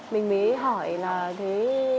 mình mới hỏi là thế